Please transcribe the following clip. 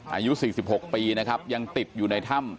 อายุ๔๖ปีนะครับยังติดอยู่ในถ้ำ